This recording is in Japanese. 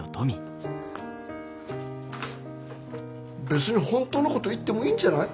別に本当のこと言ってもいいんじゃない？